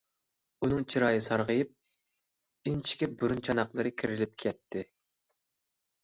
ئۇنىڭ چىرايى سارغىيىپ، ئىنچىكە بۇرۇن چاناقلىرى كېرىلىپ كەتتى.